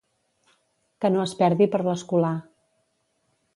Que no es perdi per l'escolà.